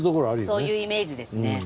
そういうイメージですね。